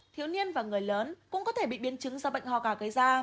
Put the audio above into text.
thiếu niên và người lớn cũng có thể bị biến chứng do bệnh ho gà gây ra